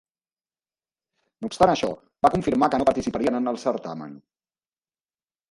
No obstant això, van confirmar que no participarien en el certamen.